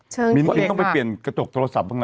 เชิงเทียนค่ะมิ้นต้องไปเปลี่ยนกระจกโทรศัพท์เพิ่งนะ